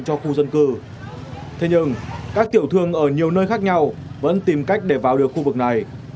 cho khu dân cư thế nhưng các tiểu thương ở nhiều nơi khác nhau vẫn tìm cách để vào được khu vực này